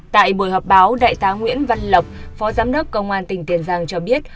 tại buổi họp báo đại tá nguyễn văn lộc phó giám đốc công an tỉnh tiền giang cho biết